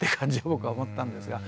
僕は思ったんですが。